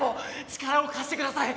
力を貸してください！